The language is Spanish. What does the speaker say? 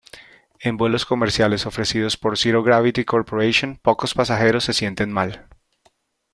En vuelos comerciales ofrecidos por Zero Gravity Corporation, pocos pasajeros se sienten mal.